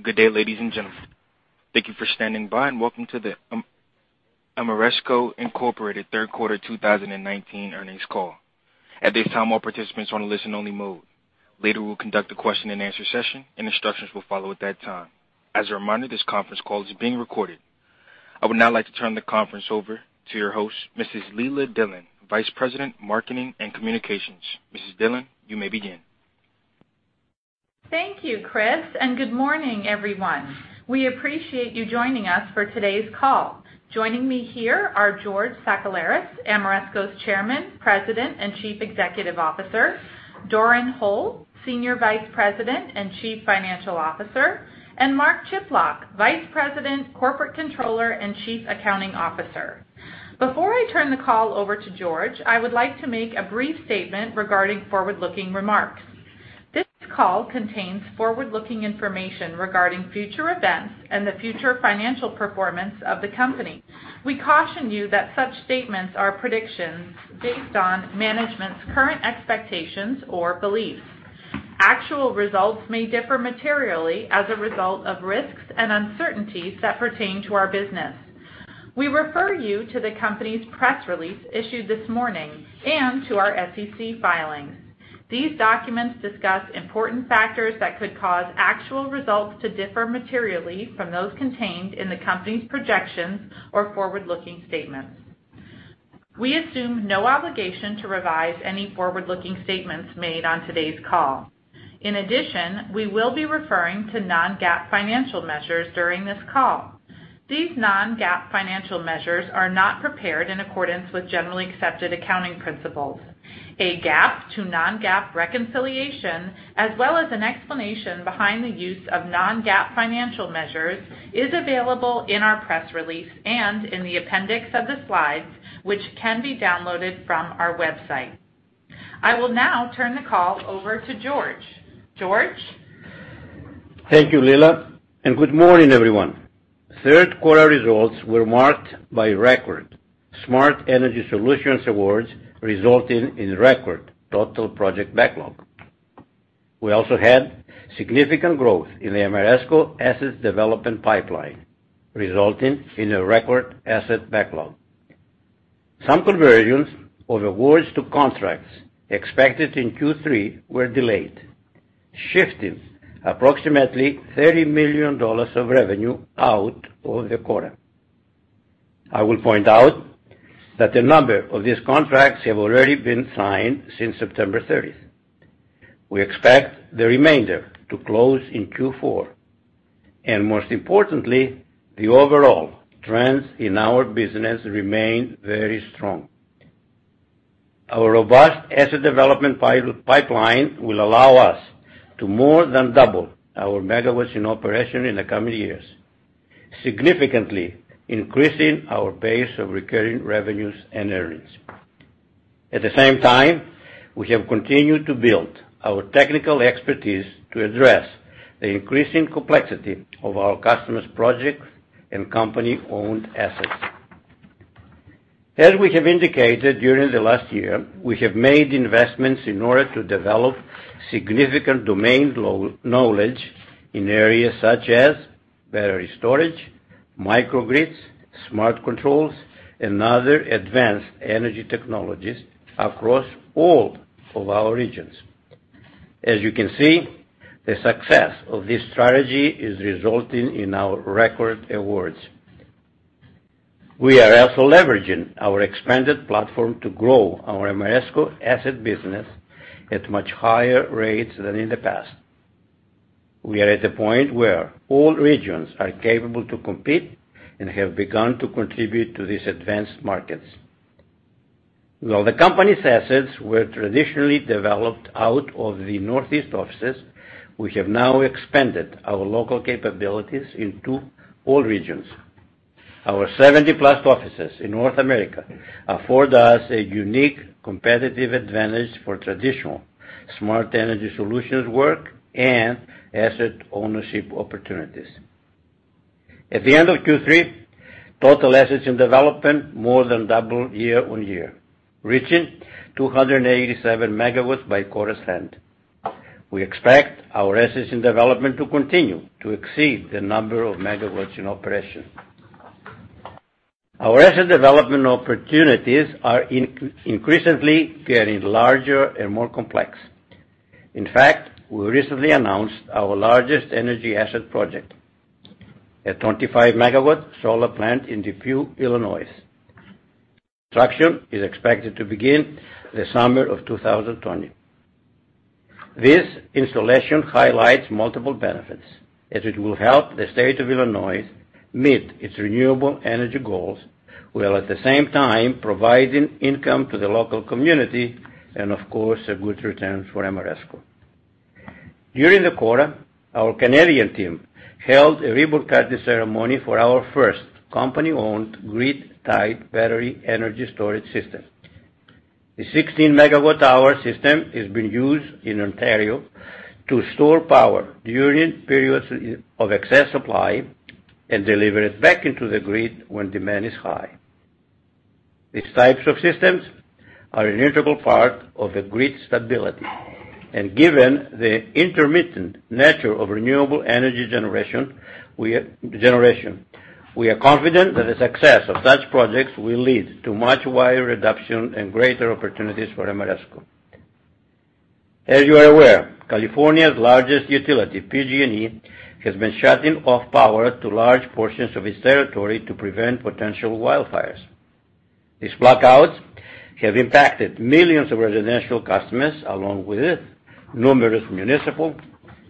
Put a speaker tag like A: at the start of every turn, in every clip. A: Good day, ladies and gentlemen. Thank you for standing by and welcome to the Ameresco, Inc. Q3 2019 Earnings Call. At this time, all participants are in a listen-only mode. Later we'll conduct a question-and-answer session and instructions will follow at that time. As a reminder, this conference call is being recorded. I would now like to turn the conference over to your host, Mrs. Leila Dillon, Vice President, Marketing and Communications. Mrs. Dillon, you may begin.
B: Thank you, Chris, and good morning, everyone. We appreciate you joining us for today's call. Joining me here are George Sakellaris, Ameresco's Chairman, President, and Chief Executive Officer, Doran Hole, Senior Vice President and Chief Financial Officer, and Mark Chiplock, Vice President, Corporate Controller, and Chief Accounting Officer. Before I turn the call over to George, I would like to make a brief statement regarding forward-looking remarks. This call contains forward-looking information regarding future events and the future financial performance of the company. We caution you that such statements are predictions based on management's current expectations or beliefs. Actual results may differ materially as a result of risks and uncertainties that pertain to our business. We refer you to the company's press release issued this morning and to our SEC filings. These documents discuss important factors that could cause actual results to differ materially from those contained in the company's projections or forward-looking statements. We assume no obligation to revise any forward-looking statements made on today's call. In addition, we will be referring to Non-GAAP financial measures during this call. These Non-GAAP financial measures are not prepared in accordance with generally accepted accounting principles. A GAAP to Non-GAAP reconciliation, as well as an explanation behind the use of Non-GAAP financial measures, is available in our press release and in the appendix of the slides, which can be downloaded from our website. I will now turn the call over to George. George?
C: Thank you, Leila, and good morning, everyone. Q3 results were marked by record Smart Energy Solutions Awards resulted in record total project backlog. We also had significant growth in the Ameresco Assets Development Pipeline, resulting in a record asset backlog. Some conversions of awards to contracts expected in Q3 were delayed, shifting approximately $30 million of revenue out of the quarter. I will point out that a number of these contracts have already been signed since September 30th. We expect the remainder to close in Q4. And most importantly, the overall trends in our business remain very strong. Our robust asset development pipeline will allow us to more than double our megawatts in operation in the coming years, significantly increasing our base of recurring revenues and earnings. At the same time, we have continued to build our technical expertise to address the increasing complexity of our customers' projects and company-owned assets. As we have indicated during the last year, we have made investments in order to develop significant domain knowledge in areas such as battery storage, microgrids, smart controls, and other advanced energy technologies across all of our regions. As you can see, the success of this strategy is resulting in our record awards. We are also leveraging our expanded platform to grow our Ameresco asset business at much higher rates than in the past. We are at a point where all regions are capable to compete and have begun to contribute to these advanced markets. While the company's assets were traditionally developed out of the northeast offices, we have now expanded our local capabilities into all regions. Our 70-plus offices in North America afford us a unique competitive advantage for traditional smart energy solutions work and asset ownership opportunities. At the end of Q3, total assets in development more than doubled year on year, reaching 287 megawatts by quarter's end. We expect our assets in development to continue to exceed the number of megawatts in operation. Our asset development opportunities are increasingly getting larger and more complex. In fact, we recently announced our largest energy asset project, a 25-megawatt solar plant in DePue, Illinois. Construction is expected to begin the summer of 2020. This installation highlights multiple benefits, as it will help the state of Illinois meet its renewable energy goals while at the same time providing income to the local community and, of course, a good return for Ameresco. During the quarter, our Canadian team held a ribbon-cutting ceremony for our first company-owned grid-tied battery energy storage system. The 16-megawatt-hour system has been used in Ontario to store power during periods of excess supply and deliver it back into the grid when demand is high. These types of systems are an integral part of grid stability, and given the intermittent nature of renewable energy generation, we are confident that the success of such projects will lead to much wider adoption and greater opportunities for Ameresco. As you are aware, California's largest utility, PG&E, has been shutting off power to large portions of its territory to prevent potential wildfires. These blackouts have impacted millions of residential customers, along with numerous municipal,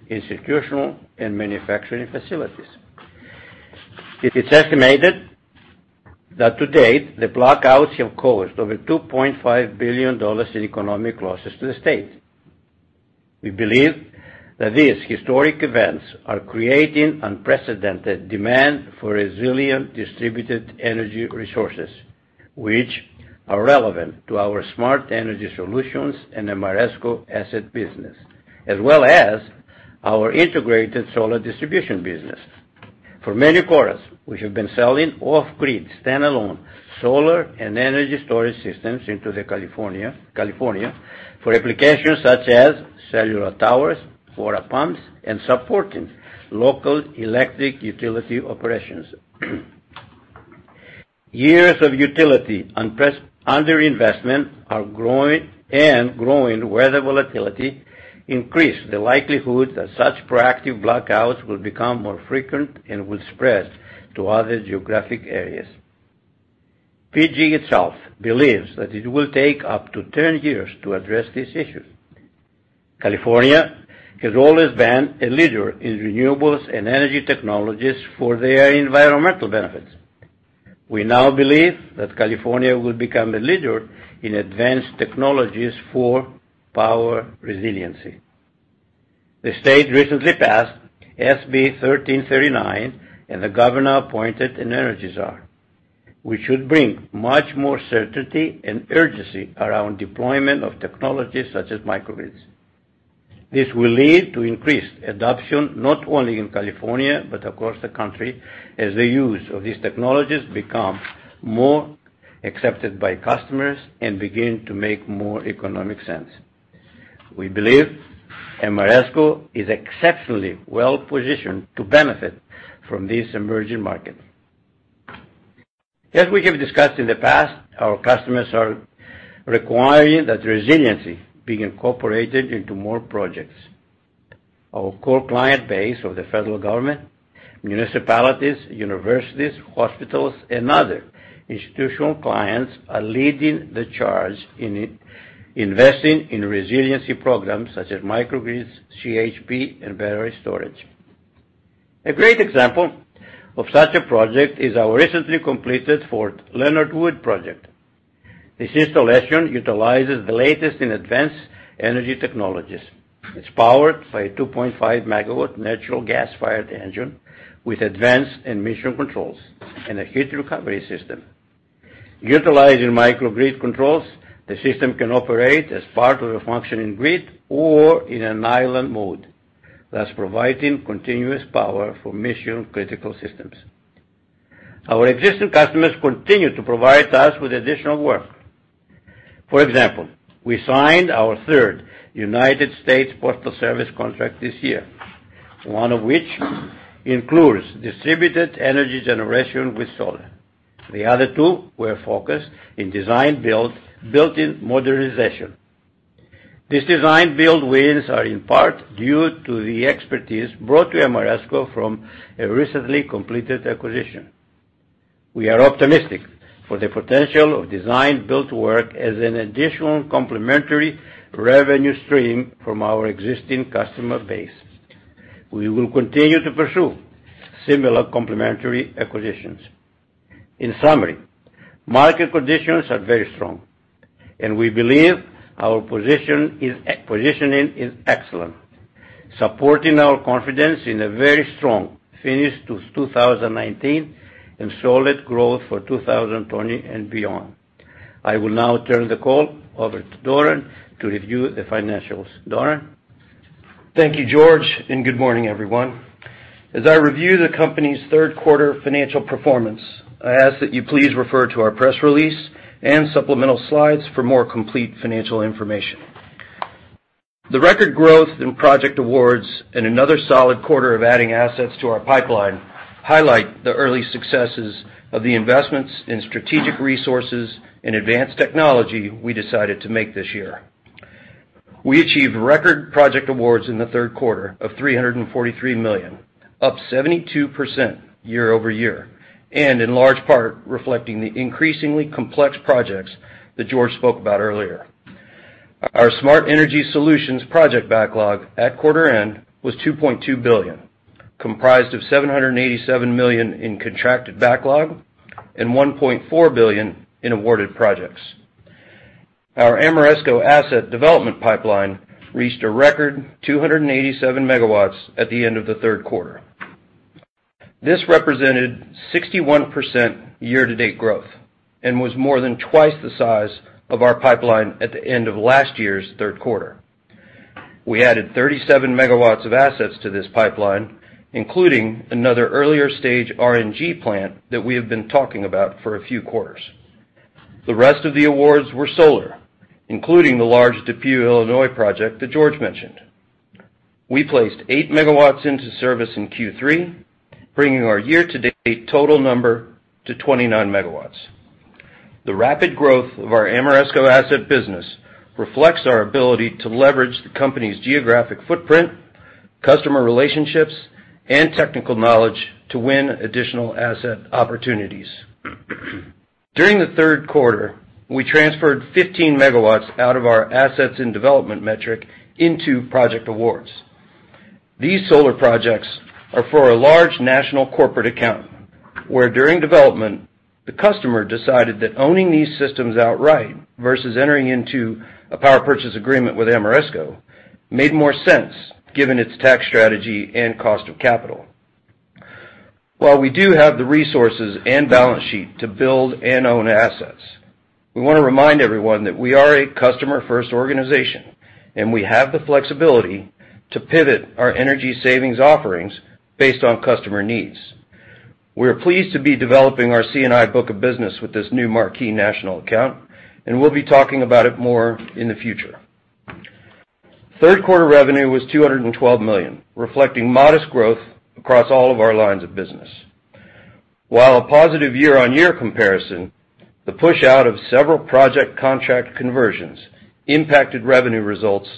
C: institutional, and manufacturing facilities. It's estimated that to date, the blackouts have caused over $2.5 billion in economic losses to the state. We believe that these historic events are creating unprecedented demand for resilient distributed energy resources, which are relevant to our smart energy solutions and Ameresco asset business, as well as our integrated solar distribution business. For many quarters, we have been selling off-grid standalone solar and energy storage systems into California for applications such as cellular towers, water pumps, and supporting local electric utility operations. Years of utility underinvestment and growing weather volatility increase the likelihood that such proactive blackouts will become more frequent and will spread to other geographic areas. PG&E itself believes that it will take up to 10 years to address these issues. California has always been a leader in renewables and energy technologies for their environmental benefits. We now believe that California will become a leader in advanced technologies for power resiliency. The state recently passed SB 1339 and the Governor-appointed Energy Czar, which should bring much more certainty and urgency around deployment of technologies such as microgrids. This will lead to increased adoption not only in California but across the country as the use of these technologies becomes more accepted by customers and begins to make more economic sense. We believe Ameresco is exceptionally well-positioned to benefit from these emerging markets. As we have discussed in the past, our customers are requiring that resiliency be incorporated into more projects. Our core client base of the federal government, municipalities, universities, hospitals, and other institutional clients are leading the charge in investing in resiliency programs such as microgrids, CHP, and battery storage. A great example of such a project is our recently completed Fort Leonard Wood project. This installation utilizes the latest in advanced energy technologies. It's powered by a 2.5-MW natural gas-fired engine with advanced emission controls and a heat recovery system. Utilizing microgrid controls, the system can operate as part of a functioning grid or in an island mode, thus providing continuous power for mission-critical systems. Our existing customers continue to provide us with additional work. For example, we signed our third United States Postal Service contract this year, one of which includes distributed energy generation with solar. The other two were focused on design-build built-in modernization. These design-build wins are in part due to the expertise brought to Ameresco from a recently completed acquisition. We are optimistic for the potential of design-build work as an additional complementary revenue stream from our existing customer base. We will continue to pursue similar complementary acquisitions. In summary, market conditions are very strong, and we believe our positioning is excellent, supporting our confidence in a very strong finish to 2019 and solid growth for 2020 and beyond. I will now turn the call over to Doran to review the financials. Doran?
D: Thank you, George, and good morning, everyone. As I review the company's Q3 financial performance, I ask that you please refer to our press release and supplemental slides for more complete financial information. The record growth in project awards and another solid quarter of adding assets to our pipeline highlight the early successes of the investments in strategic resources and advanced technology we decided to make this year. We achieved record project awards in the Q3 of $343 million, up 72% year-over-year, and in large part reflecting the increasingly complex projects that George spoke about earlier. Our smart energy solutions project backlog at quarter end was $2.2 billion, comprised of $787 million in contracted backlog and $1.4 billion in awarded projects. Our Ameresco asset development pipeline reached a record 287 megawatts at the end of the Q3. This represented 61% year-to-date growth and was more than twice the size of our pipeline at the end of last year's Q3. We added 37 megawatts of assets to this pipeline, including another earlier-stage RNG plant that we have been talking about for a few quarters. The rest of the awards were solar, including the large DePue, Illinois project that George mentioned. We placed 8 megawatts into service in Q3, bringing our year-to-date total number to 29 megawatts. The rapid growth of our Ameresco asset business reflects our ability to leverage the company's geographic footprint, customer relationships, and technical knowledge to win additional asset opportunities. During the Q3, we transferred 15 megawatts out of our assets in development metric into project awards. These solar projects are for a large national corporate account, where during development, the customer decided that owning these systems outright versus entering into a power purchase agreement with Ameresco made more sense given its tax strategy and cost of capital. While we do have the resources and balance sheet to build and own assets, we want to remind everyone that we are a customer-first organization, and we have the flexibility to pivot our energy savings offerings based on customer needs. We are pleased to be developing our CNI book of business with this new marquee national account, and we'll be talking about it more in the future. Q3 revenue was $212 million, reflecting modest growth across all of our lines of business. While a positive year-on-year comparison, the push out of several project contract conversions impacted revenue results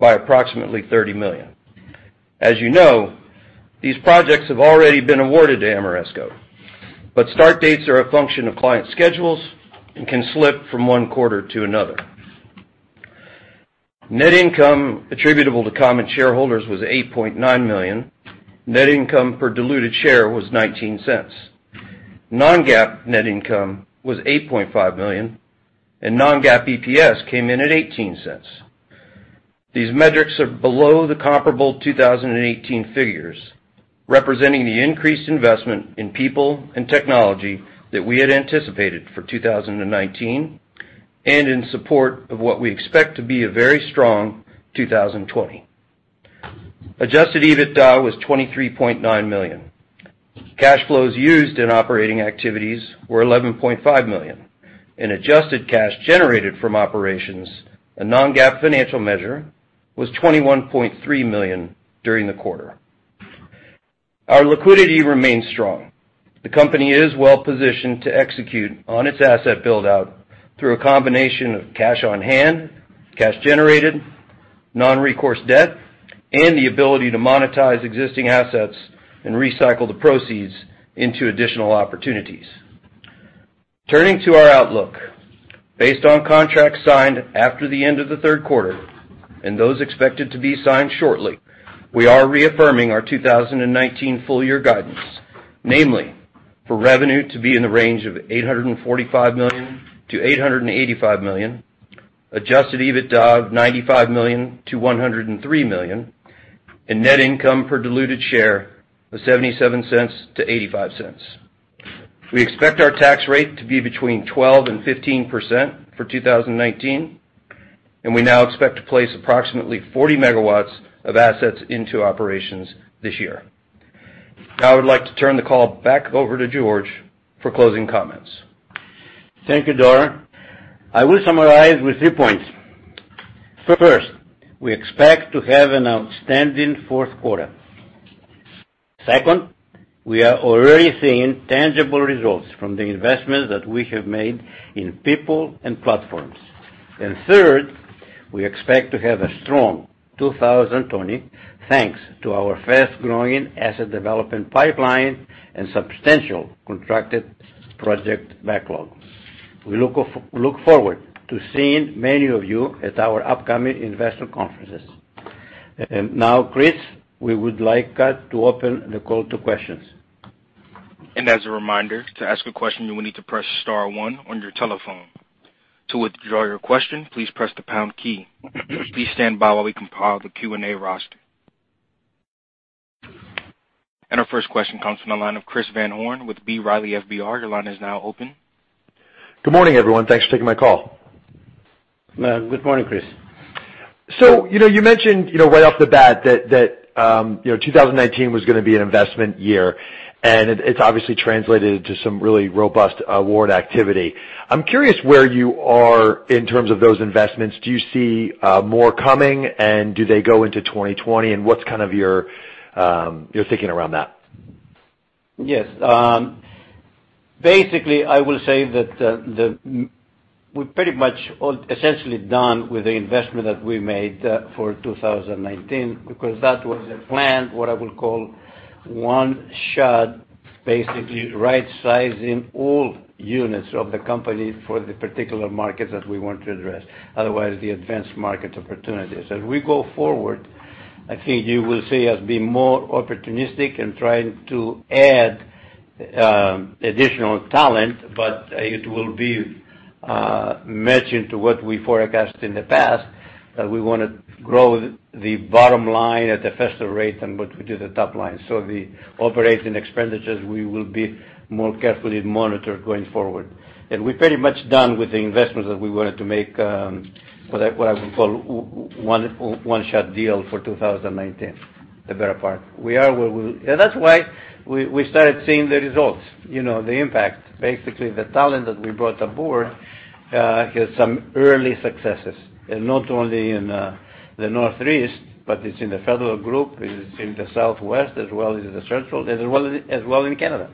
D: by approximately $30 million. As you know, these projects have already been awarded to Ameresco, but start dates are a function of client schedules and can slip from one quarter to another. Net income attributable to common shareholders was $8.9 million. Net income per diluted share was $0.19. Non-GAAP net income was $8.5 million, and non-GAAP EPS came in at $0.18. These metrics are below the comparable 2018 figures, representing the increased investment in people and technology that we had anticipated for 2019 and in support of what we expect to be a very strong 2020. Adjusted EBITDA was $23.9 million. Cash flows used in operating activities were $11.5 million, and adjusted cash generated from operations, a non-GAAP financial measure, was $21.3 million during the quarter. Our liquidity remains strong. The company is well-positioned to execute on its asset buildout through a combination of cash on hand, cash generated, non-recourse debt, and the ability to monetize existing assets and recycle the proceeds into additional opportunities. Turning to our outlook, based on contracts signed after the end of the Q3 and those expected to be signed shortly, we are reaffirming our 2019 full-year guidance, namely for revenue to be in the range of $845 million-$885 million, adjusted EBITDA of $95 million-$103 million, and net income per diluted share of $0.77-$0.85. We expect our tax rate to be between 12%-15% for 2019, and we now expect to place approximately 40 megawatts of assets into operations this year. Now I would like to turn the call back over to George for closing comments.
C: Thank you, Doran. I will summarize with three points. First, we expect to have an outstanding Q4. Second, we are already seeing tangible results from the investments that we have made in people and platforms. And third, we expect to have a strong 2020 thanks to our fast-growing asset development pipeline and substantial contracted project backlog. We look forward to seeing many of you at our upcoming investor conferences. Now, Chris, we would like to open the call to questions.
A: And as a reminder, to ask a question, you will need to press star one on your telephone. To withdraw your question, please press the pound key. Please stand by while we compile the Q&A roster. And our first question comes from the line of Chris Van Horn with B. Riley FBR. Your line is now open.
E: Good morning, everyone. Thanks for taking my call.
C: Good morning, Chris.
E: So you mentioned right off the bat that 2019 was going to be an investment year, and it's obviously translated into some really robust award activity. I'm curious where you are in terms of those investments. Do you see more coming, and do they go into 2020? And what's kind of your thinking around that?
C: Yes. Basically, I will say that we're pretty much essentially done with the investment that we made for 2019 because that was the plan, what I will call one-shot, basically right-sizing all units of the company for the particular markets that we want to address, otherwise the advanced market opportunities. As we go forward, I think you will see us being more opportunistic and trying to add additional talent, but it will be matching to what we forecast in the past, that we want to grow the bottom line at a faster rate than what we do at the top line. So the operating expenditures, we will be more carefully monitored going forward. We're pretty much done with the investments that we wanted to make, what I will call one-shot deal for 2019, the better part. We are where we are, and that's why we started seeing the results, the impact. Basically, the talent that we brought aboard has some early successes, not only in the Northeast, but it's in the federal group, it's in the Southwest as well as the Central, and as well in Canada.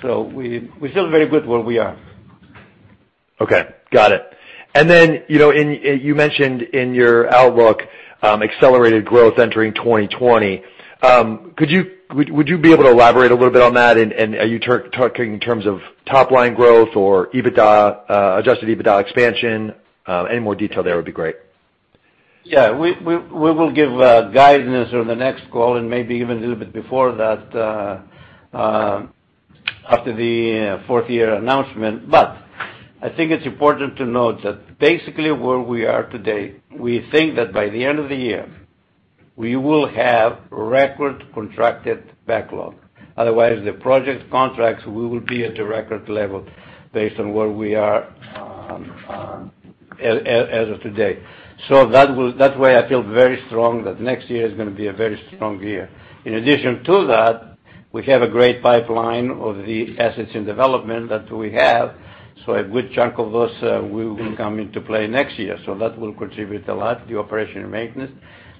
C: So we feel very good where we are.
E: Okay. Got it. And then you mentioned in your outlook accelerated growth entering 2020. Would you be able to elaborate a little bit on that? And are you talking in terms of top-line growth or Adjusted EBITDA expansion? Any more detail there would be great.
C: Yeah. We will give guidance on the next call and maybe even a little bit before that, after the fourth-year announcement. But I think it's important to note that basically where we are today, we think that by the end of the year, we will have record contracted backlog. Otherwise, the project contracts, we will be at the record level based on where we are as of today. So that's why I feel very strong that next year is going to be a very strong year. In addition to that, we have a great pipeline of the assets in development that we have. So a good chunk of those, we will come into play next year. So that will contribute a lot, the operation and maintenance.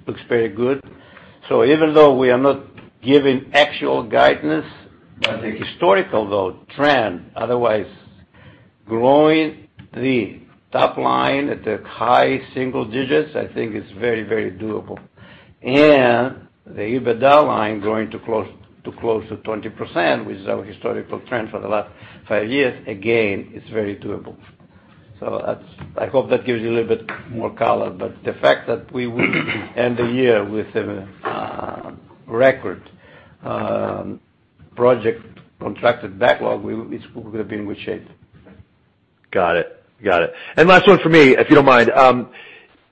C: Looks very good. So even though we are not giving actual guidance, but the historical, though, trend, otherwise growing the top line at the high single digits, I think it's very, very doable. The EBITDA line going to close to 20%, which is our historical trend for the last five years, again, it's very doable. I hope that gives you a little bit more color. The fact that we will end the year with a record project contracted backlog, it's going to be in good shape.
E: Got it. Got it. Last one for me, if you don't mind.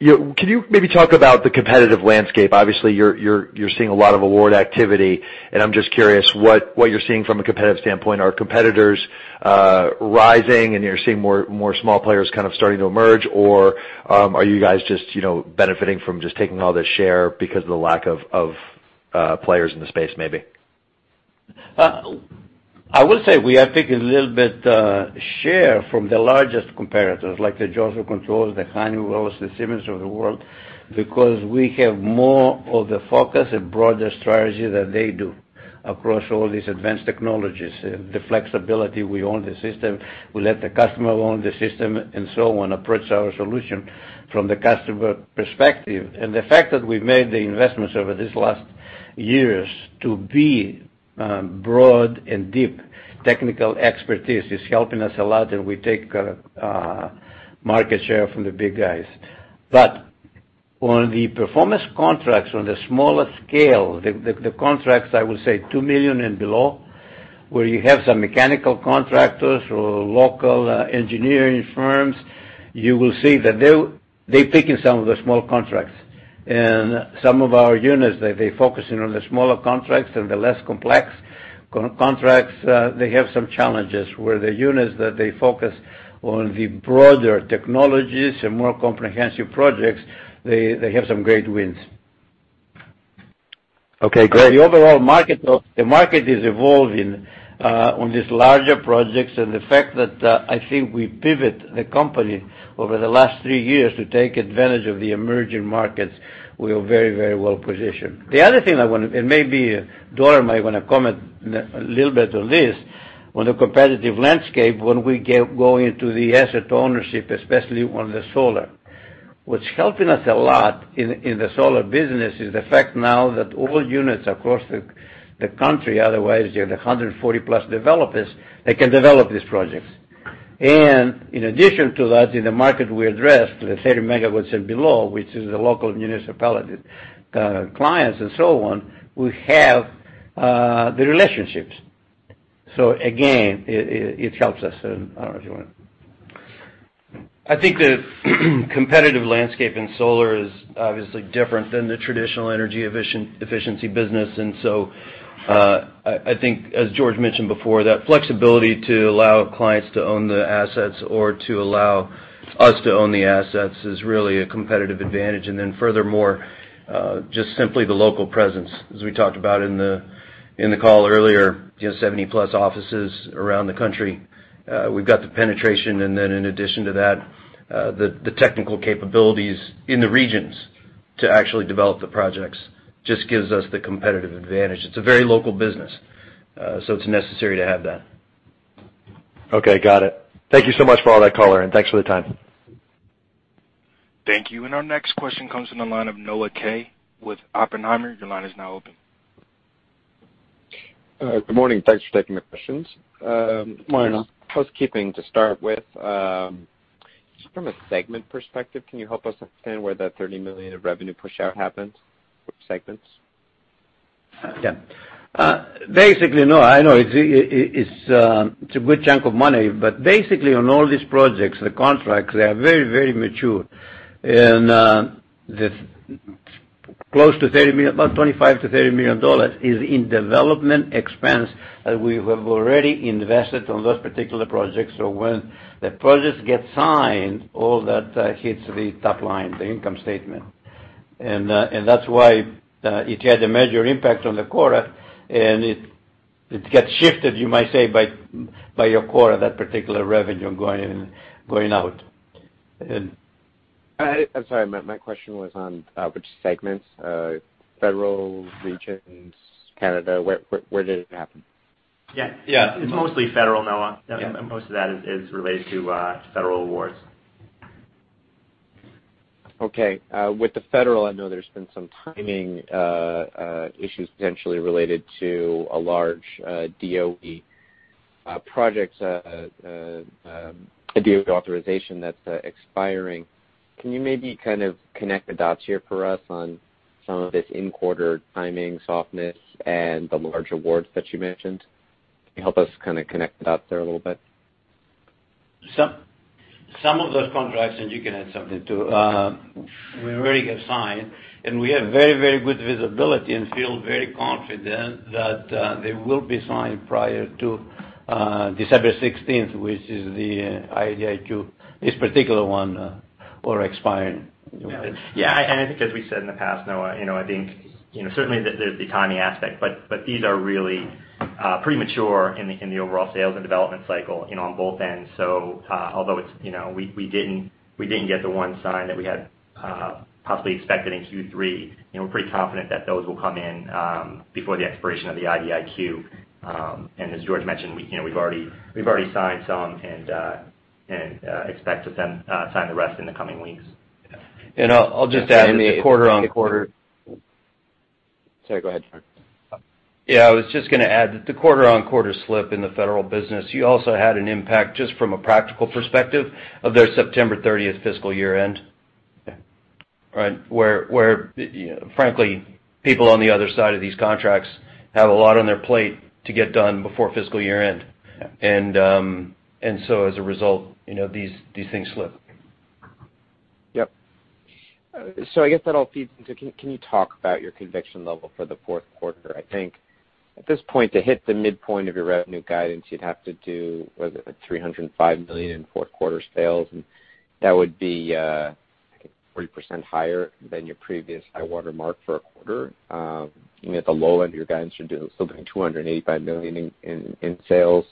E: Can you maybe talk about the competitive landscape? Obviously, you're seeing a lot of award activity, and I'm just curious what you're seeing from a competitive standpoint. Are competitors rising, and you're seeing more small players kind of starting to emerge, or are you guys just benefiting from just taking all this share because of the lack of players in the space, maybe?
C: I will say we are taking a little bit share from the largest competitors, like the Johnson Controls, the Honeywells, the Siemens of the world, because we have more of the focus and broader strategy than they do across all these advanced technologies. The flexibility, we own the system. We let the customer own the system and so on, approach our solution from the customer perspective. And the fact that we've made the investments over these last years to be broad and deep, technical expertise is helping us a lot, and we take market share from the big guys. But on the performance contracts, on the smaller scale, the contracts, I will say, $2 million and below, where you have some mechanical contractors or local engineering firms, you will see that they're picking some of the small contracts. Some of our units, they're focusing on the smaller contracts and the less complex contracts. They have some challenges where the units that they focus on the broader technologies and more comprehensive projects, they have some great wins.
E: Okay. Great.
C: The overall market is evolving on these larger projects. The fact that I think we pivot the company over the last three years to take advantage of the emerging markets, we are very, very well positioned. The other thing I want to and maybe Doran might want to comment a little bit on this, on the competitive landscape, when we go into the asset ownership, especially on the solar. What's helping us a lot in the solar business is the fact now that all units across the country, otherwise the 140+ developers, they can develop these projects. And in addition to that, in the market we address, let's say, the megawatts and below, which is the local municipality clients and so on, we have the relationships. So again, it helps us. And I don't know if you want to.
E: I think the competitive landscape in solar is obviously different than the traditional energy efficiency business. And so I think, as George mentioned before, that flexibility to allow clients to own the assets or to allow us to own the assets is really a competitive advantage. And then furthermore, just simply the local presence, as we talked about in the call earlier, 70+ offices around the country. We've got the penetration. And then in addition to that, the technical capabilities in the regions to actually develop the projects just gives us the competitive advantage. It's a very local business, so it's necessary to have that. Okay. Got it. Thank you so much for all that, Color, and thanks for the time.
A: Thank you. Our next question comes from the line of Noah Kaye with Oppenheimer. Your line is now open.
F: All right. Good morning. Thanks for taking the questions.
G: Why not?
F: Housekeeping to start with. Just from a segment perspective, can you help us understand where that $30 million of revenue push out happens, which segments?
C: Yeah. Basically, no. I know it's a good chunk of money. But basically, on all these projects, the contracts, they are very, very mature. And close to $30 million, about $25 million-$30 million is in development expense that we have already invested on those particular projects. So when the projects get signed, all that hits the top line, the income statement. And that's why it had a major impact on the quota. And it gets shifted, you might say, by your quota, that particular revenue going out.
F: I'm sorry. My question was on which segments, federal, regions, Canada. Where did it happen?
G: Yeah. Yeah. It's mostly federal, Noah. Most of that is related to federal awards.
F: Okay. With the federal, I know there's been some timing issues potentially related to a large DOE project, a DOE authorization that's expiring. Can you maybe kind of connect the dots here for us on some of this in-quarter timing, softness, and the large awards that you mentioned? Can you help us kind of connect the dots there a little bit?
C: Some of those contracts, and you can add something too, we already got signed. We have very, very good visibility and feel very confident that they will be signed prior to December 16th, which is the IDIQ, this particular one, or expiring.
G: Yeah. And I think, as we said in the past, Noah, I think certainly there's the timing aspect. But these are really premature in the overall sales and development cycle on both ends. So although we didn't get the one signed that we had possibly expected in Q3, we're pretty confident that those will come in before the expiration of the IDIQ. And as George mentioned, we've already signed some and expect to sign the rest in the coming weeks.
D: And I'll just add, in the quarter-over-quarter.
F: Sorry. Go ahead.
D: Yeah. I was just going to add that the quarter-on-quarter slip in the federal business, you also had an impact just from a practical perspective of their September 30th fiscal year-end, right, where, frankly, people on the other side of these contracts have a lot on their plate to get done before fiscal year-end. And so as a result, these things slip.
F: Yep. So I guess that all feeds into can you talk about your conviction level for the Q4? I think at this point, to hit the midpoint of your revenue guidance, you'd have to do, was it, $305 million in Q4 sales. And that would be, I think, 40% higher than your previous high-water mark for a quarter. Even at the low end of your guidance, you're still doing $285 million in sales.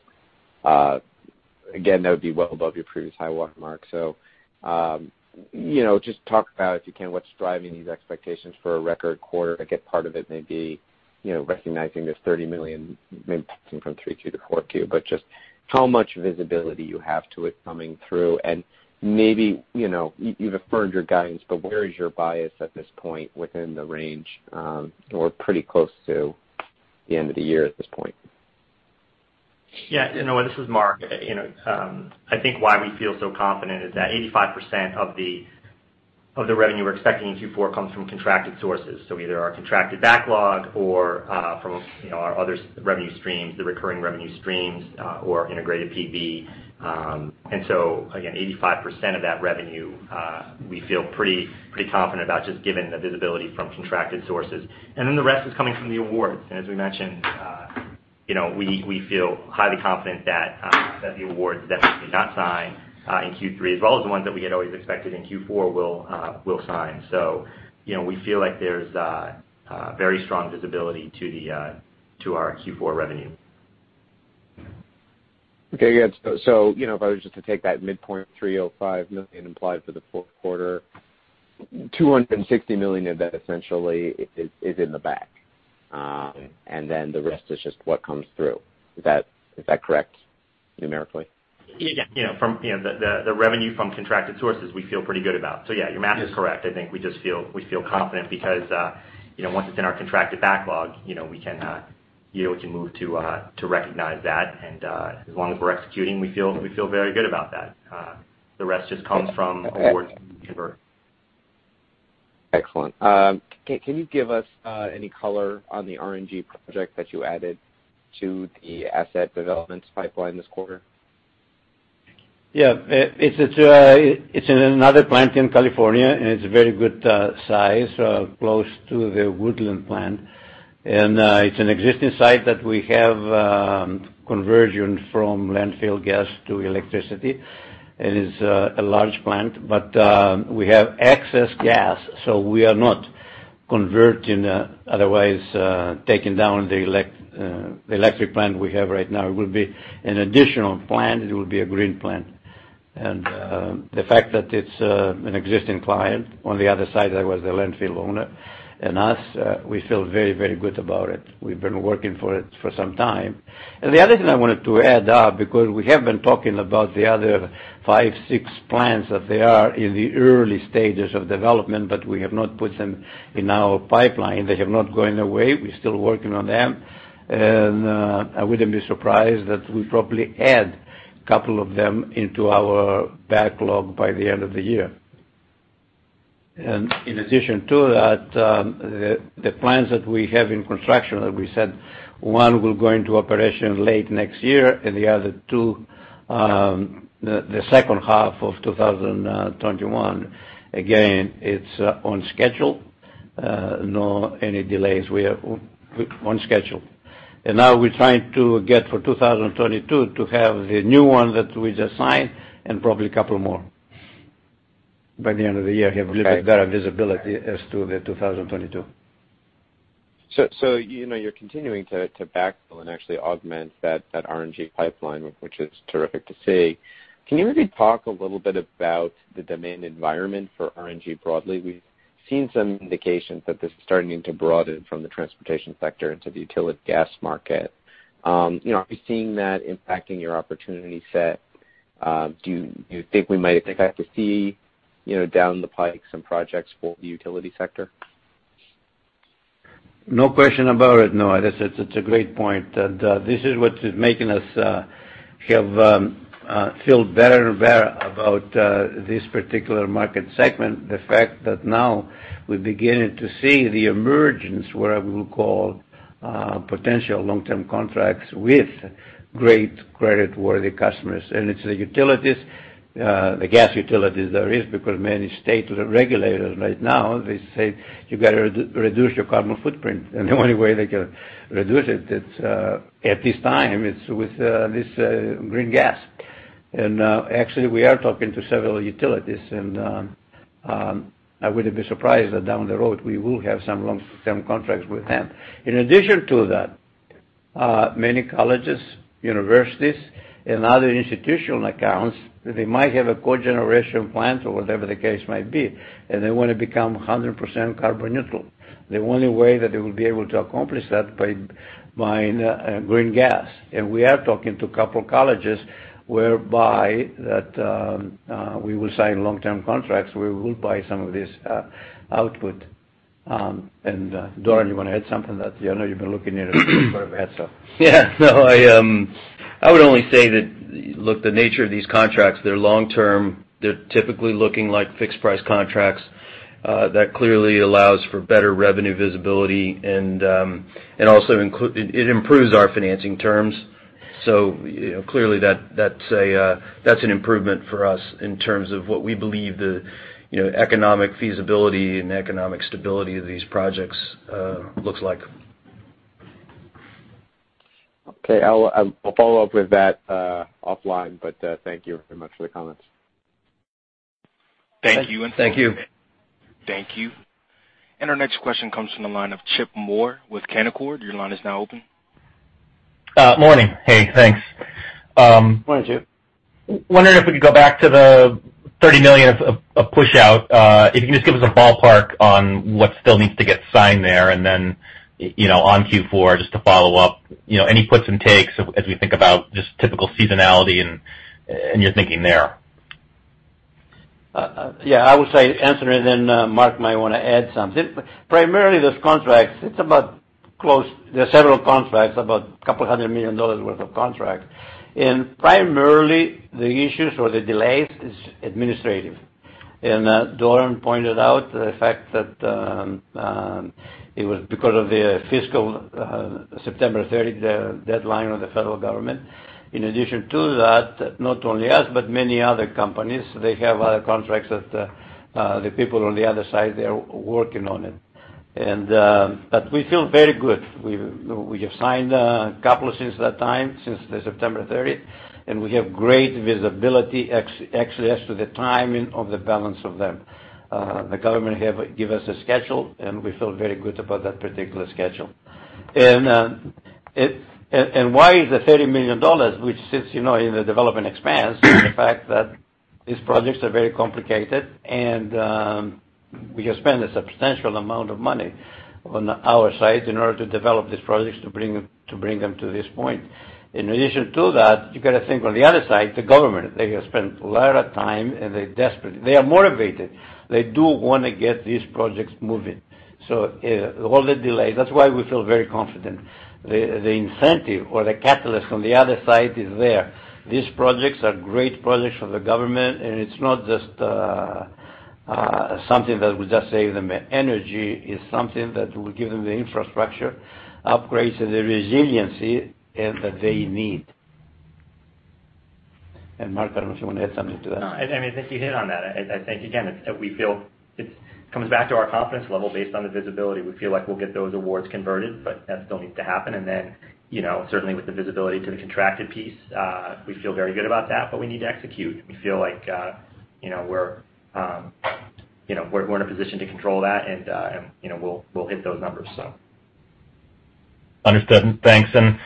F: Again, that would be well above your previous high-water mark. So just talk about, if you can, what's driving these expectations for a record quarter. I guess part of it may be recognizing this $30 million may be passing from 3Q to 4Q, but just how much visibility you have to it coming through. Maybe you've affirmed your guidance, but where is your bias at this point within the range or pretty close to the end of the year at this point?
G: Yeah. And Noah, this is Mark. I think why we feel so confident is that 85% of the revenue we're expecting in Q4 comes from contracted sources. So either our contracted backlog or from our other revenue streams, the recurring revenue streams or integrated PV. And so again, 85% of that revenue, we feel pretty confident about just given the visibility from contracted sources. And then the rest is coming from the awards. And as we mentioned, we feel highly confident that the awards that we did not sign in Q3, as well as the ones that we had always expected in Q4, will sign. So we feel like there's very strong visibility to our Q4 revenue.
F: Okay. Yeah. So if I was just to take that midpoint, $305 million implied for the Q4, $260 million of that essentially is in the back. And then the rest is just what comes through. Is that correct numerically?
G: Yeah. Yeah. The revenue from contracted sources, we feel pretty good about. So yeah, your math is correct. I think we just feel confident because once it's in our contracted backlog, we can move to recognize that. And as long as we're executing, we feel very good about that. The rest just comes from awards we convert.
F: Excellent. Can you give us any color on the RNG project that you added to the asset development pipeline this quarter?
C: Yeah. It's in another plant in California, and it's a very good size, close to the Woodland plant. And it's an existing site that we have conversion from landfill gas to electricity. And it's a large plant. But we have excess gas, so we are not converting, otherwise taking down the electric plant we have right now. It will be an additional plant. It will be a green plant. And the fact that it's an existing client, on the other side, that was the landfill owner and us, we feel very, very good about it. We've been working for it for some time. And the other thing I wanted to add because we have been talking about the other five, six plants that they are in the early stages of development, but we have not put them in our pipeline. They have not gone away. We're still working on them. I wouldn't be surprised that we probably add a couple of them into our backlog by the end of the year. In addition to that, the plants that we have in construction, that we said one will go into operation late next year and the other two, the second half of 2021, again, it's on schedule. No delays. We are on schedule. Now we're trying to get for 2022 to have the new one that we just signed and probably a couple more. By the end of the year, we have a little bit better visibility as to the 2022.
F: So you're continuing to backfill and actually augment that RNG pipeline, which is terrific to see. Can you maybe talk a little bit about the demand environment for RNG broadly? We've seen some indications that this is starting to broaden from the transportation sector into the utility gas market. Are you seeing that impacting your opportunity set? Do you think we might expect to see down the pike some projects for the utility sector?
C: No question about it, Noah. It's a great point. This is what's making us feel better and better about this particular market segment, the fact that now we're beginning to see the emergence where we will call potential long-term contracts with great creditworthy customers. It's the gas utilities there is because many state regulators right now, they say, "You got to reduce your carbon footprint." The only way they can reduce it, at this time, it's with this green gas. Actually, we are talking to several utilities. I wouldn't be surprised that down the road, we will have some long-term contracts with them. In addition to that, many colleges, universities, and other institutional accounts, they might have a cogeneration plant or whatever the case might be. They want to become 100% carbon neutral. The only way that they will be able to accomplish that is by buying green gas. We are talking to a couple of colleges whereby we will sign long-term contracts where we will buy some of this output. Doran, you want to add something that I know you've been looking at it sort of ahead, so.
D: Yeah. No, I would only say that, look, the nature of these contracts, they're long-term. They're typically looking like fixed-price contracts. That clearly allows for better revenue visibility. And also, it improves our financing terms. So clearly, that's an improvement for us in terms of what we believe the economic feasibility and economic stability of these projects looks like.
F: Okay. I'll follow up with that offline, but thank you very much for the comments.
G: Thank you.
D: Thank you.
A: Thank you. Our next question comes from the line of Chip Moore with Canaccord Genuity. Your line is now open.
H: Morning. Hey. Thanks.
F: Morning, Chip.
H: Wondering if we could go back to the $30 million of push out. If you can just give us a ballpark on what still needs to get signed there and then on Q4 just to follow up, any puts and takes as we think about just typical seasonality and your thinking there.
C: Yeah. I would say answer it, and then Mark might want to add something. Primarily, those contracts, it's about closed. There are several contracts, about $200 million worth of contracts. Primarily, the issues or the delays is administrative. Doran pointed out the fact that it was because of the fiscal September 30th deadline of the federal government. In addition to that, not only us, but many other companies, they have other contracts that the people on the other side, they're working on it. But we feel very good. We have signed a couple since that time, since the September 30th. We have great visibility, actually, as to the timing of the balance of them. The government gave us a schedule, and we feel very good about that particular schedule. Why is the $30 million, which sits in the development expense, the fact that these projects are very complicated, and we have spent a substantial amount of money on our side in order to develop these projects to bring them to this point? In addition to that, you got to think on the other side, the government, they have spent a lot of time, and they are motivated. They do want to get these projects moving. All the delays, that's why we feel very confident. The incentive or the catalyst on the other side is there. These projects are great projects for the government, and it's not just something that will just save them energy. It's something that will give them the infrastructure, upgrades, and the resiliency that they need. And Mark, I don't know if you want to add something to that.
G: No. I mean, I think you hit on that. I think, again, we feel it comes back to our confidence level based on the visibility. We feel like we'll get those awards converted, but that still needs to happen. Then certainly, with the visibility to the contracted piece, we feel very good about that, but we need to execute. We feel like we're in a position to control that, and we'll hit those numbers, so.
D: Understood. Thanks. And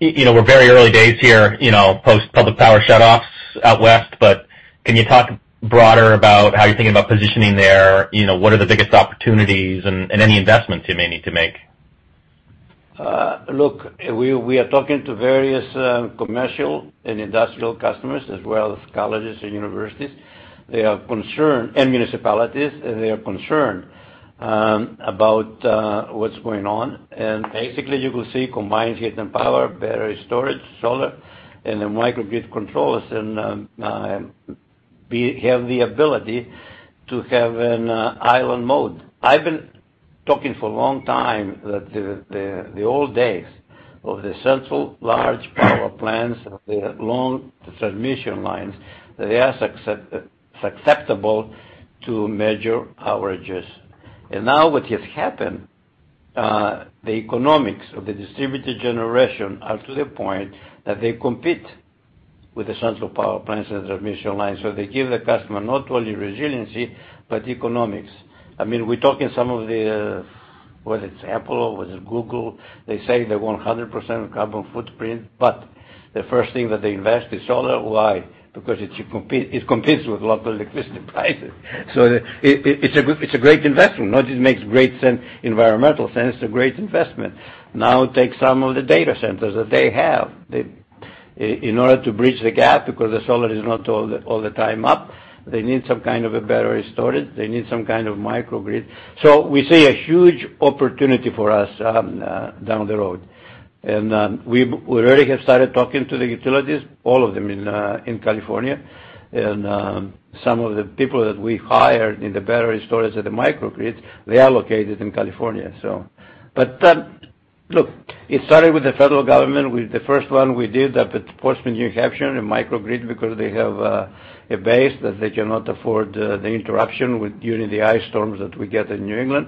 D: we're very early days here post-public power shutoffs out west, but can you talk broader about how you're thinking about positioning there? What are the biggest opportunities and any investments you may need to make?
C: Look, we are talking to various commercial and industrial customers as well as colleges and universities. They are concerned, and municipalities, and they are concerned about what's going on. Basically, you will see combined heat and power, battery storage, solar, and then microgrid controllers have the ability to have an island mode. I've been talking for a long time that the old days of the central large power plants, the long transmission lines, they are susceptible to massive outages. Now what has happened, the economics of the distributed generation are to the point that they compete with the central power plants and the transmission lines. So they give the customer not only resiliency but economics. I mean, we're talking some of the—was it Apple or was it Google? They say they want 100% carbon footprint, but the first thing that they invest is solar. Why? Because it competes with local electricity prices. So it's a great investment. Not just makes great environmental sense, it's a great investment. Now take some of the data centers that they have. In order to bridge the gap because the solar is not all the time up, they need some kind of a battery storage. They need some kind of microgrid. So we see a huge opportunity for us down the road. And we already have started talking to the utilities, all of them in California. And some of the people that we hired in the battery storage at the microgrids, they are located in California, so. But look, it started with the federal government. The first one we did up at Portsmouth, New Hampshire, a microgrid because they have a base that they cannot afford the interruption during the ice storms that we get in New England.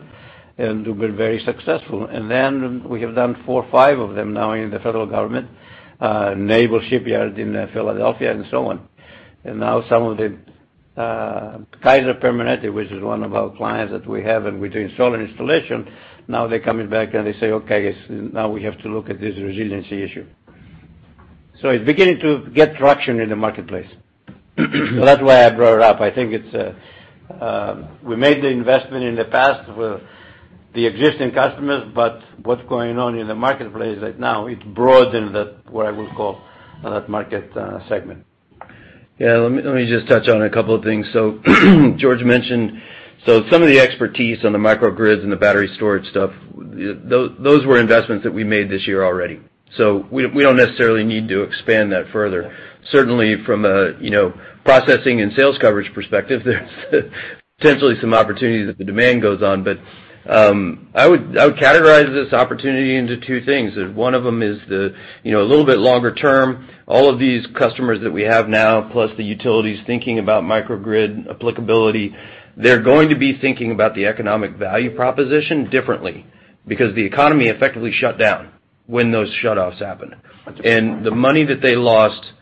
C: We've been very successful. Then we have done four, five of them now in the federal government, Naval Shipyard in Philadelphia, and so on. Now some of the Kaiser Permanente, which is one of our clients that we have and we're doing solar installation, now they're coming back and they say, "Okay. Now we have to look at this resiliency issue." It's beginning to get traction in the marketplace. That's why I brought it up. I think we made the investment in the past with the existing customers, but what's going on in the marketplace right now, it broadens what I will call that market segment.
D: Yeah. Let me just touch on a couple of things. So George mentioned so some of the expertise on the microgrids and the battery storage stuff, those were investments that we made this year already. So we don't necessarily need to expand that further. Certainly, from a processing and sales coverage perspective, there's potentially some opportunity that the demand goes on. But I would categorize this opportunity into two things. One of them is a little bit longer term. All of these customers that we have now, plus the utilities thinking about microgrid applicability, they're going to be thinking about the economic value proposition differently because the economy effectively shut down when those shutoffs happen. And the money that they lost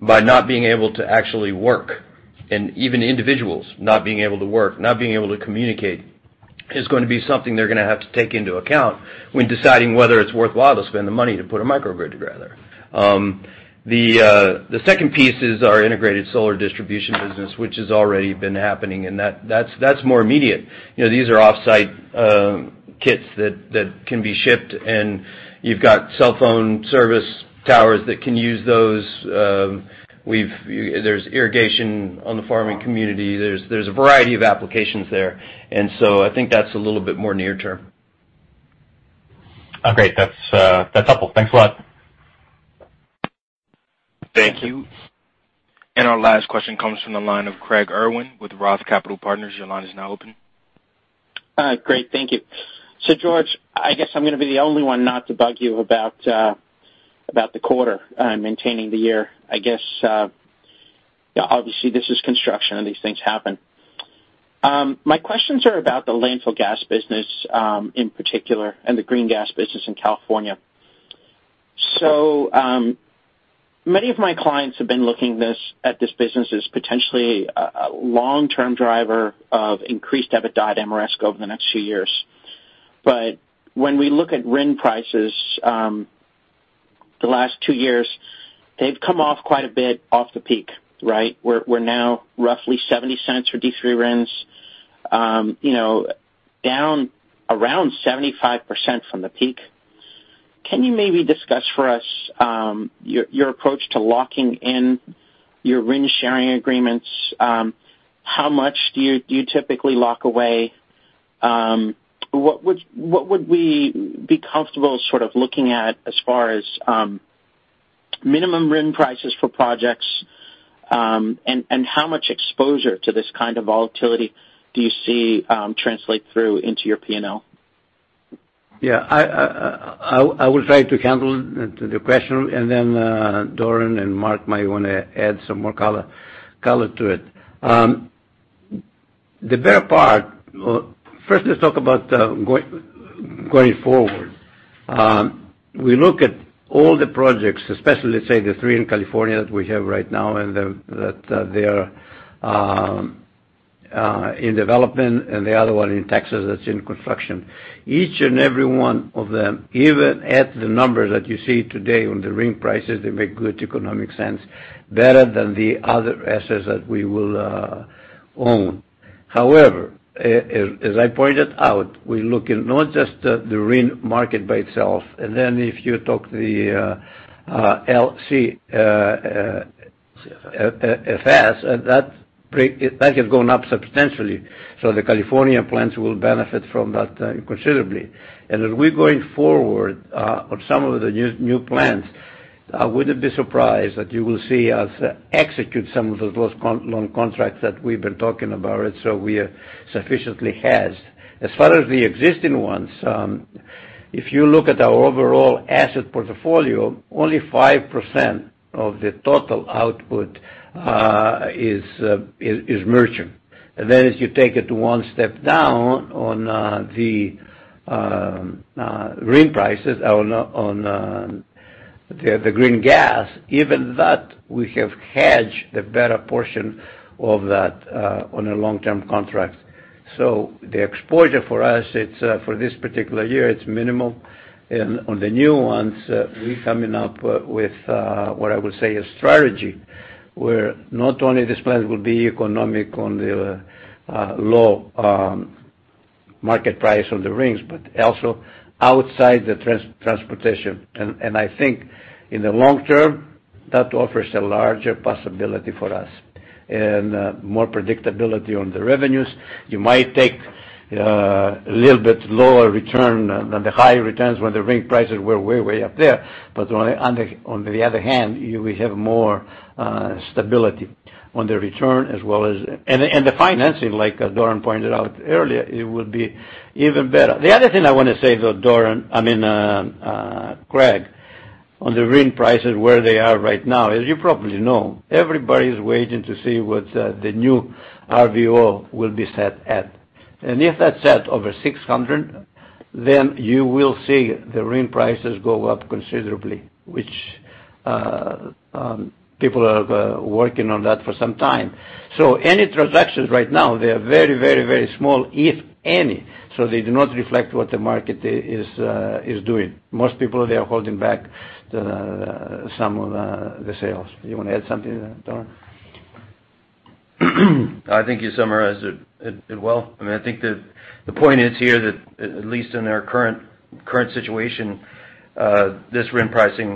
D: by not being able to actually work, and even individuals, not being able to work, not being able to communicate, is going to be something they're going to have to take into account when deciding whether it's worthwhile to spend the money to put a microgrid together. The second piece is our integrated solar distribution business, which has already been happening, and that's more immediate. These are off-site kits that can be shipped, and you've got cell phone service towers that can use those. There's irrigation on the farming community. There's a variety of applications there. And so I think that's a little bit more near term. Great. That's helpful. Thanks a lot.
H: Thank you.
A: Our last question comes from the line of Craig Irwin with Roth Capital Partners. Your line is now open.
I: Great. Thank you. So George, I guess I'm going to be the only one not to bug you about the quarter maintaining the year. I guess, obviously, this is construction. These things happen. My questions are about the landfill gas business in particular and the green gas business in California. So many of my clients have been looking at this business as potentially a long-term driver of increased EBITDA at Ameresco over the next few years. But when we look at RIN prices the last two years, they've come off quite a bit off the peak, right? We're now roughly $0.70 for D3 RINs, down around 75% from the peak. Can you maybe discuss for us your approach to locking in your RIN sharing agreements? How much do you typically lock away? What would we be comfortable sort of looking at as far as minimum RIN prices for projects, and how much exposure to this kind of volatility do you see translate through into your P&L?
C: Yeah. I will try to handle the question, and then Doran and Mark might want to add some more color to it. The better part first, let's talk about going forward. We look at all the projects, especially, let's say, the three in California that we have right now and that they are in development, and the other one in Texas that's in construction. Each and every one of them, even at the numbers that you see today on the RIN prices, they make good economic sense, better than the other assets that we will own. However, as I pointed out, we're looking not just the RIN market by itself. And then if you talk to the LCFS, that has gone up substantially. So the California plants will benefit from that considerably. As we're going forward on some of the new plants, I wouldn't be surprised that you will see us execute some of those long contracts that we've been talking about, so we are sufficiently hedged. As far as the existing ones, if you look at our overall asset portfolio, only 5% of the total output is merchant. And then if you take it one step down on the RIN prices, on the green gas, even that, we have hedged the better portion of that on a long-term contract. So the exposure for us, for this particular year, it's minimal. And on the new ones, we're coming up with what I will say is strategy where not only these plants will be economic on the low market price on the RINs, but also outside the transportation. And I think in the long term, that offers a larger possibility for us and more predictability on the revenues. You might take a little bit lower return than the high returns when the RIN prices were way, way up there. But on the other hand, we have more stability on the return as well as and the financing, like Doran pointed out earlier, it will be even better. The other thing I want to say, though, Doran I mean, Craig, on the RIN prices, where they are right now, as you probably know, everybody's waiting to see what the new RVO will be set at. And if that's set over 600, then you will see the RIN prices go up considerably, which people are working on that for some time. Any transactions right now, they are very, very, very small, if any, so they do not reflect what the market is doing. Most people, they are holding back some of the sales. Do you want to add something, Doran?
D: I think you summarized it well. I mean, I think the point is here that at least in our current situation, this RIN pricing,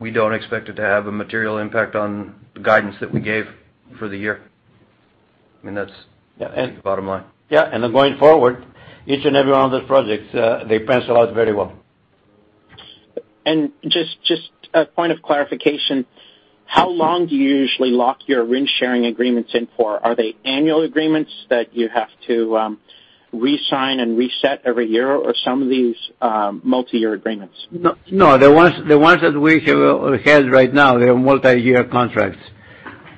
D: we don't expect it to have a material impact on the guidance that we gave for the year. I mean, that's the bottom line.
C: Yeah. Going forward, each and every one of those projects, they pencil out very well.
I: Just a point of clarification, how long do you usually lock your RIN sharing agreements in for? Are they annual agreements that you have to re-sign and reset every year, or some of these multi-year agreements?
C: No. The ones that we have right now, they are multi-year contracts.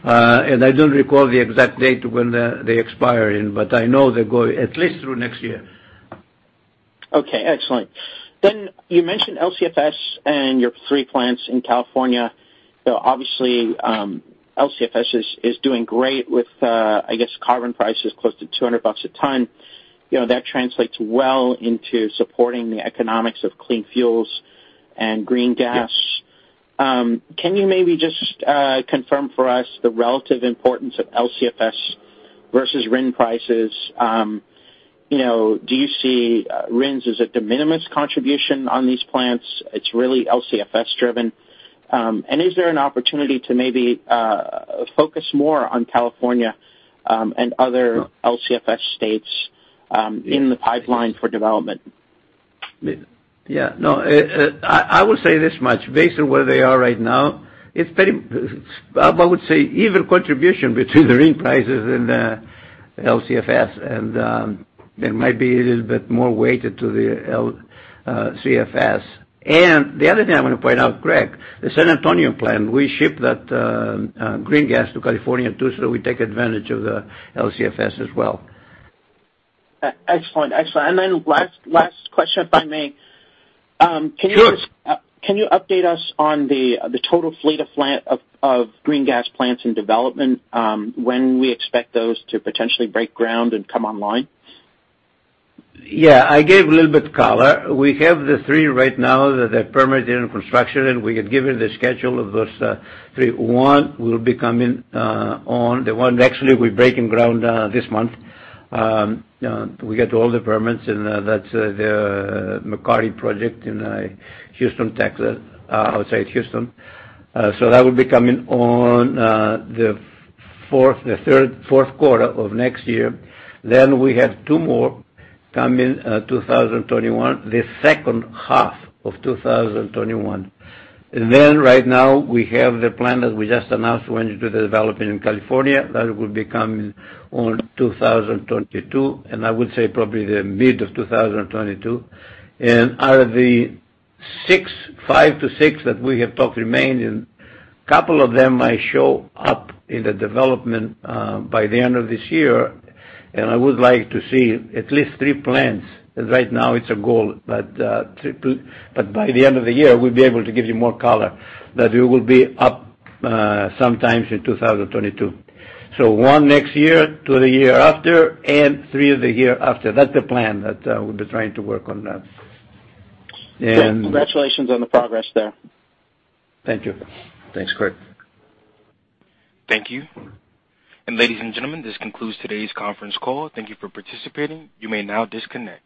C: I don't recall the exact date when they expire in, but I know they go at least through next year.
I: Okay. Excellent. Then you mentioned LCFS and your three plants in California. Obviously, LCFS is doing great with, I guess, carbon prices close to $200 a ton. That translates well into supporting the economics of clean fuels and green gas. Can you maybe just confirm for us the relative importance of LCFS versus RIN prices? Do you see RINs as a de minimis contribution on these plants? It's really LCFS-driven. And is there an opportunity to maybe focus more on California and other LCFS states in the pipeline for development?
C: Yeah. No. I will say this much. Based on where they are right now, I would say even contribution between the RIN prices and LCFS, and there might be a little bit more weighted to the LCFS. And the other thing I want to point out, Craig, the San Antonio plant, we ship that green gas to California too, so we take advantage of the LCFS as well.
I: Excellent. Excellent. And then last question, if I may.
C: Sure.
I: Can you update us on the total fleet of green gas plants in development when we expect those to potentially break ground and come online?
C: Yeah. I gave a little bit of color. We have the 3 right now that are permitted in construction, and we had given the schedule of those 3. One will be coming online, actually, we're breaking ground this month. We got all the permits, and that's the McCarty project in Houston, Texas, outside Houston. So that will be coming online in the Q4 of next year. Then we have 2 more coming 2021, the second half of 2021. And then right now, we have the plant that we just announced went into the development in California. That will be coming online in 2022, and I would say probably the mid of 2022. And out of the 5-6 that we have talked remain, a couple of them might show up in the development by the end of this year. I would like to see at least three plants. Right now, it's a goal, but by the end of the year, we'll be able to give you more color that we will be up sometimes in 2022. So one next year, two the year after, and three the year after. That's the plan that we'll be trying to work on now.
I: Congratulations on the progress there.
C: Thank you.
D: Thanks, Craig.
A: Thank you. Ladies and gentlemen, this concludes today's conference call. Thank you for participating. You may now disconnect.